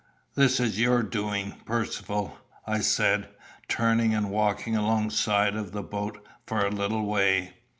"This is your doing, Percivale," I said, turning and walking alongside of the boat for a little way.